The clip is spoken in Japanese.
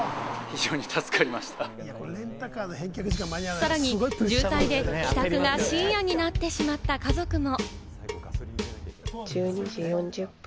さらに渋滞で帰宅が深夜になってしまった家族も。